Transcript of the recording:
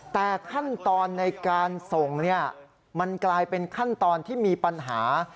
แต่ขั้นตอนในการส่งมันกลายเป็นขั้นตอนที่มีปัญหา